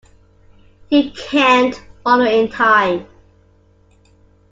You cannot follow in time.